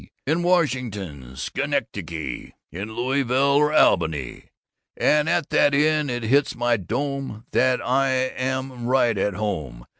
in Washington, Schenectady, in Louisville or Albany. And at that inn it hits my dome that I again am right at home.